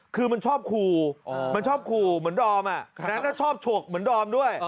คือมันชอบขู่มันชอบขู่เหมือนดอมแล้วชอบฉกเหมือนดอมด้วย